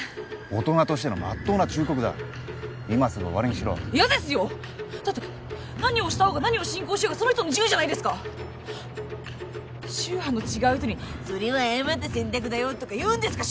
大人としてのまっとうな忠告だ今すぐ終わりにしろ嫌ですよだって何を慕おうが何を信仰しようがその人の自由じゃないですか宗派の違う人にそれは誤った選択だよとか言うんですか？